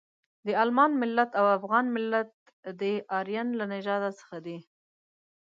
د المان ملت او افغان ملت د ارین له نژاده څخه دي.